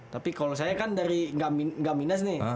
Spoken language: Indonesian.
tapi kalau saya kan dari gak minus nih